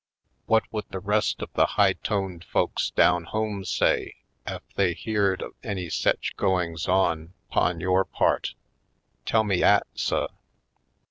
Whut would the rest of the high toned folks down home say ef they beared of any sech goings on 'pon yore part? Tell me 'at, sub?"